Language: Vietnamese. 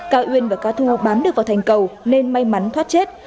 ca uyên và ca thu bám được vào thành cầu nên may mắn thoát chết